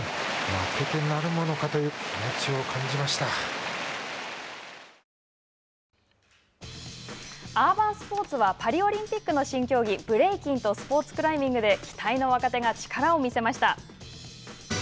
負けてなるものかというアーバンスポーツはパリオリンピックの新競技ブレイキンとスポーツクライミングで期待の若手が力を見せました。